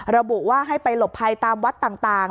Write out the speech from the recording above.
ระบุว่าให้ไปหลบภัยตามวัดต่าง